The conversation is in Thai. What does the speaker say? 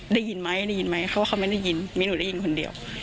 ได้ยินไหมได้ยินไหมเพราะว่าเขาไม่ได้ยินมีหนูได้ยินคนเดียว